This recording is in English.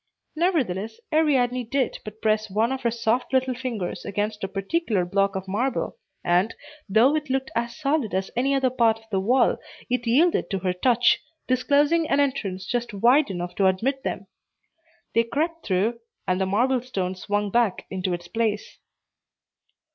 Nevertheless, Ariadne did but press one of her soft little fingers against a particular block of marble and, though it looked as solid as any other part of the wall, it yielded to her touch, disclosing an entrance just wide enough to admit them They crept through, and the marble stone swung back into its place.